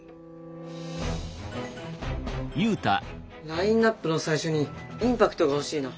ラインナップの最初にインパクトが欲しいな。